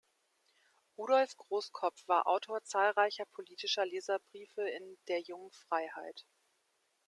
Rudolf Großkopf war Autor zahlreicher politischer Leserbriefe in der „Jungen Freiheit“.